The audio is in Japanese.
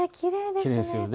きれいですよね。